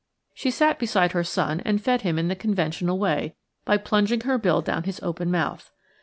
She sat beside her son and fed him in the conventional way, by plunging her bill down his open mouth.